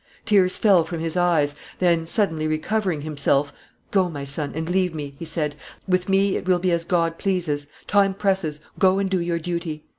Tears fell from his eyes; then, suddenly recovering himself, 'Go, my son, and leave me,' he said; 'with me it will be as God pleases; time presses; go and do your duty.